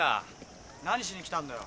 何しに来たんだよ？